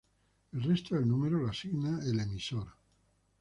El resto del número lo asigna el emisor.